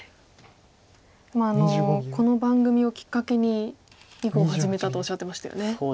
まあこの番組をきっかけに囲碁を始めたとおっしゃってましたよね。